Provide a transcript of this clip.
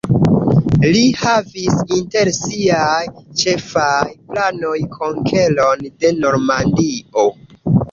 Li havis inter siaj ĉefaj planoj konkeron de Normandio.